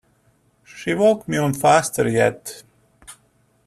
She walked me on faster yet.